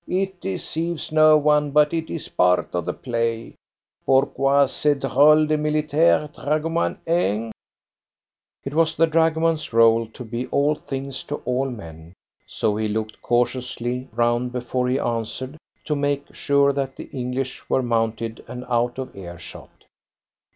It deceives no one, but it is part of the play. Pourquoi ces droles de militaires, dragoman, hein?" It was the dragoman's role to be all things to all men, so he looked cautiously round before he answered, to make sure that the English were mounted and out of earshot.